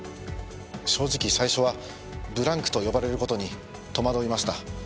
正直最初はブランクと呼ばれる事に戸惑いました。